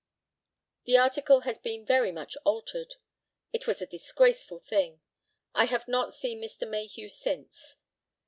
The article has been very much altered. It was a disgraceful thing. I have not seen Mr. Mayhew since.